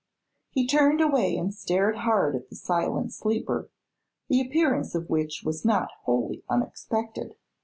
He turned away and stared hard at the silent sleeper, the appearance of which was not wholly unexpected.